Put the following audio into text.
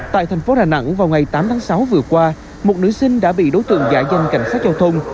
tại thành phố đà nẵng vào ngày tám tháng sáu vừa qua một nữ sinh đã bị đối tượng giả danh cảnh sát giao thông